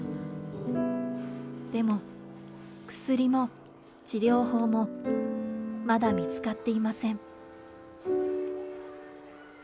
でも、薬も治療法もまだ見つかっていません。